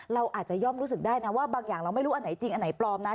เราอาจจะย่อมรู้สึกได้นะว่าบางอย่างเราไม่รู้อันไหนจริงอันไหนปลอมนะ